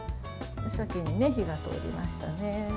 鮭に火が通りましたね。